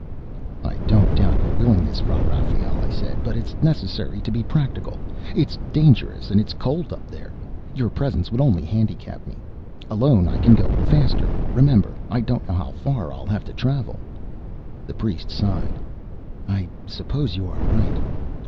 "I don't doubt your willingness, Fra Rafael," I said. "But it's necessary to be practical. It's dangerous and it's cold up there. Your presence would only handicap me. Alone, I can go faster remember, I don't know how far I'll have to travel." The priest sighed. "I suppose you are right.